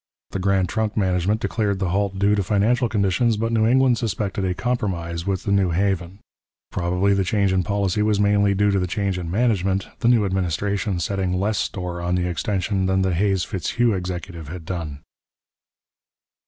The Grand Trunk management declared the halt due to financial conditions, but New England suspected a compromise with the New Haven. Probably the change in policy was mainly due to the change in management, the new administration setting less store on the extension than the Hays Fitzhugh executive had done.